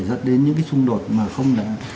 dẫn đến những cái xung đột mà không đã